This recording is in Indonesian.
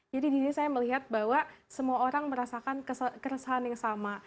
jadi di sini saya melihat bahwa semua orang merasakan keresahan yang sama